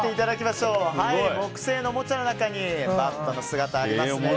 木製のおもちゃの中にバットの姿がありますね。